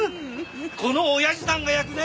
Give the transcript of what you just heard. この親父さんが焼くね